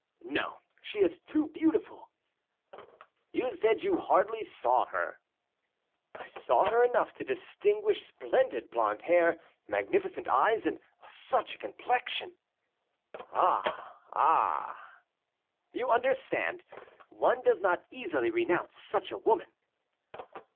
"No, she is too beautiful." "You said you hardly saw her." "I saw her enough to distinguish splendid blonde hair, magnificent eyes, and such a complexion!" "Ah! ah!" "You understand! one does not easily renounce such a woman."